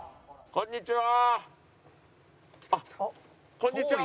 こんにちは。